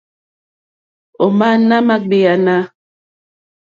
Ò má nà mà ɡbèáná.